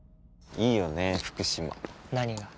いいよね福島・何が？